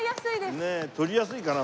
取りやすいかな？